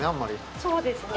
そうですね。